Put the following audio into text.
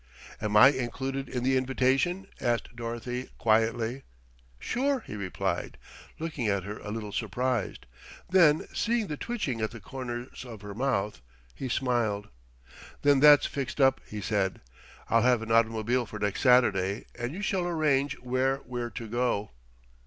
"Am I included in the invitation?" asked Dorothy quietly. "Sure," he replied, looking at her a little surprised. Then, seeing the twitching at the corners of her mouth, he smiled. "Then that's fixed up," he said. "I'll have an automobile for next Saturday, and you shall arrange where we're to go."